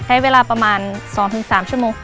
ใช้เวลาประมาณ๒๓ชั่วโมง